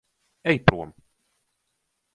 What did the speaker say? Ej prom.